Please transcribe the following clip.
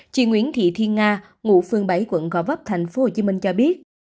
chị nguyễn thị thiên nga ngụ phường bảy quận gò vấp tp hcm cho biết